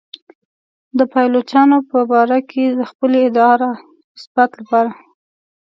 د پایلوچانو په باره کې د خپلې ادعا د اثبات لپاره.